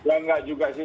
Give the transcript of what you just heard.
ya tidak juga sih